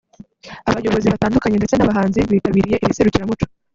abayobozi batandukanye ndetse n’abahanzi bitabiriye iri serukiramuco